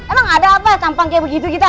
emang ada apa tampang kayak begitu kita